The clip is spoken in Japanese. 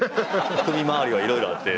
ふみ回りはいろいろあって。